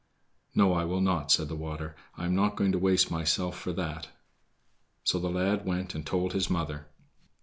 "No, I will not," said the water; "I am not going to waste myself for that." So the lad went and told his mother.